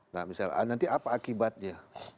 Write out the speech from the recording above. nah misalnya nanti apa akibatnya